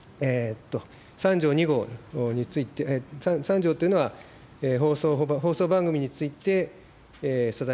３条２号について、３条というのは、放送番組について定めておりまして、